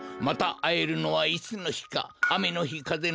またあえるのはいつのひか。